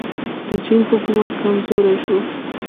د چین حکومت کمزوری شو.